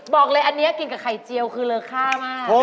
บอกเลยอันนี้กินกับไข่เจียวคือเลอค่ามาก